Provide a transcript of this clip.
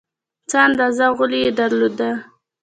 څه اندازه غولی یې درلود.